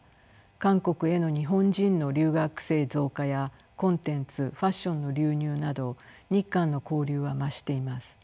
韓国への日本人の留学生増加やコンテンツファッションの流入など日韓の交流は増しています。